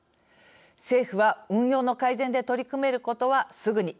政府は、運用の改善で取り組めることはすぐに。